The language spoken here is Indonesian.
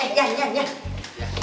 eh iyan iyan iyan